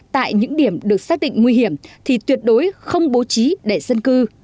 tại những điểm được xác định nguy hiểm thì tuyệt đối không bố trí để dân cư